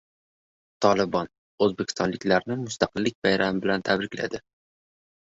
"Tolibon" o‘zbekistonliklarni Mustaqillik bayrami bilan tabrikladi